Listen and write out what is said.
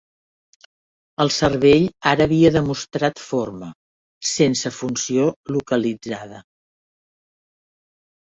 El cervell ara havia demostrat forma, sense funció localitzada.